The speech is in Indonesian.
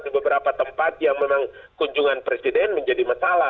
di beberapa tempat yang memang kunjungan presiden menjadi masalah